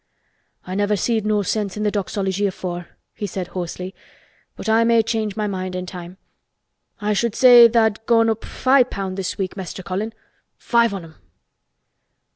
"I never seed no sense in th' Doxology afore," he said hoarsely, "but I may change my mind i' time. I should say tha'd gone up five pound this week Mester Colin—five on 'em!"